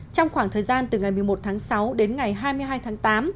trong khoảng thời gian từ ngày một mươi một tháng sáu đến ngày hai mươi hai tháng tám